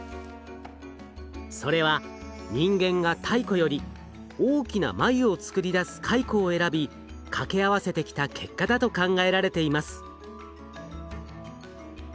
それは人間が太古より大きな繭を作り出すカイコを選び掛け合わせてきた結果だと考えられています。